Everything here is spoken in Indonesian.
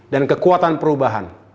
dan kekuatan perubahan